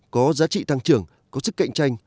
có giá trị tăng trưởng có sức cạnh tranh